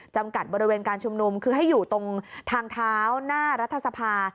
จำกัดบริเวณการชุมนุมคือให้อยู่ตรงทางเท้าหน้ารัฐสภา